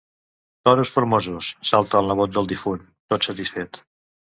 Toros formosos, salta el nebot del difunt, tot satisfet.